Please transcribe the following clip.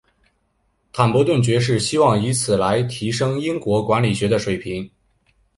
坦伯顿爵士希望以此来提升英国管理学的水平。